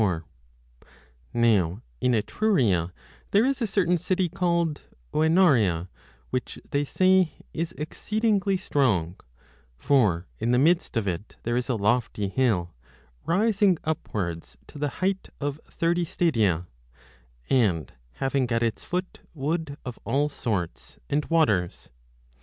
837 b DE MIRABILIBUS Now in Etruria there is a certain city called Oenarea, 1 94 which they say is exceedingly strong ; for in the midst of 35 it there is a lofty hill, rising upwards to the height of thirty stadia, and having at its foot wood of all sorts, and waters.